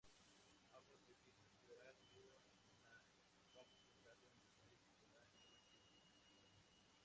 Ambos edificios quedarían unidos en la parte frontal, donde se situaría el acceso principal.